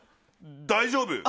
大丈夫？